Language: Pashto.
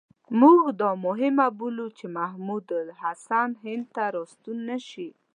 موږ دا مهمه بولو چې محمود الحسن هند ته را ستون نه شي.